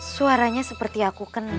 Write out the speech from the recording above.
suaranya seperti aku kenal